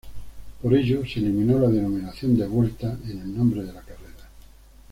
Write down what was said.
Por ello se eliminó la denominación de "Vuelta" en el nombre de la carrera.